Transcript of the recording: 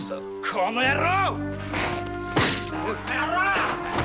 この野郎！